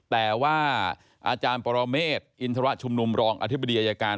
แต่ว่าอาจารย์ปรเมฆอินทรชุมนุมรองอธิบดีอายการ